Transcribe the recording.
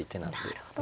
なるほど。